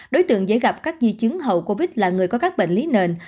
đối tượng dễ gặp các di chứng hậu covid là người có các bệnh lý nền